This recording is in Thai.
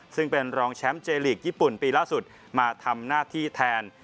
ซึ่งเป็นรองแชมป์เจลีกญี่ปุ่นปีล่าสุดมาทำหน้าที่แทน